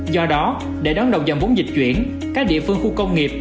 do đó để đón đầu dòng vốn dịch chuyển các địa phương khu công nghiệp